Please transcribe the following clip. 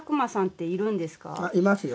いますよ。